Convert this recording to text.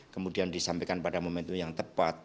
kemudian disampaikan pada momentum yang tepat